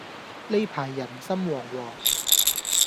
呢排人心惶惶